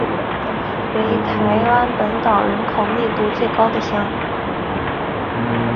为台湾本岛人口密度最高的乡。